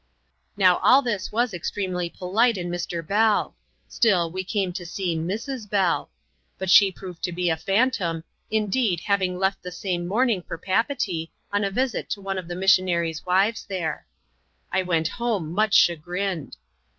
Now all this was extremely polite in Mr. Bell ; still, we came to see 3Irs. Bell. But she proved to be a phantom, indeed having left the same morning for Papeetee, on a visit to one of the missionaries' wives there. I went home much chagrined.